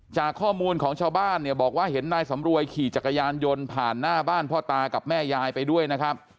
จากข้อมูลของชาวบ้านเนี่ยบอกว่าเห็นนายสำรวยขี่จักรยานยนต์ผ่านหน้าบ้านพ่อตากับแม่ยายไปด้วยนะครับ